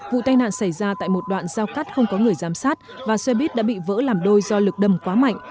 vụ tai nạn xảy ra tại một đoạn giao cắt không có người giám sát và xe buýt đã bị vỡ làm đôi do lực đâm quá mạnh